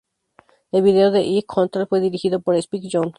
El vídeo de "Y Control" fue dirigido por Spike Jonze.